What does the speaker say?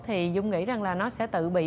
thì dung nghĩ rằng là nó sẽ tự bị